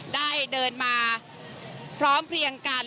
ได้เดินมาพร้อมเพลียงกัน